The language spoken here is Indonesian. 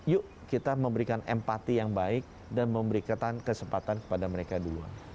yuk kita memberikan empati yang baik dan memberikan kesempatan kepada mereka duluan